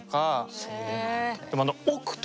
そうなんだあ。